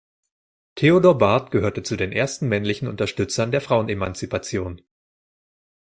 Theodor Barth gehörte zu den ersten männlichen Unterstützern der Frauenemanzipation.